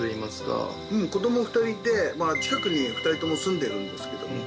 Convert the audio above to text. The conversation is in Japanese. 子供２人いて近くに２人とも住んでるんですけどね。